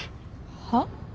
はっ？